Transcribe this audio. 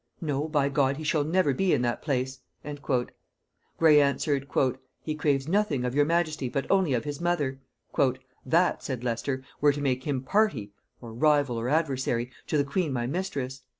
No, by God, he shall never be in that place!" Gray answered, "He craves nothing of your majesty, but only of his mother." "That," said Leicester, "were to make him party (rival or adversary) to the queen my mistress."